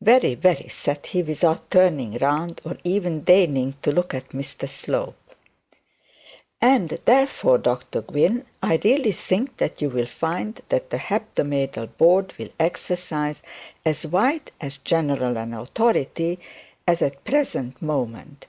'Very, very,' said he without turning round, or even deigning to look at Mr Slope. 'And therefore, Dr Gwynne, I really think that you will find that the hebdomadal board will exercise as wide and as general an authority as at the present moment.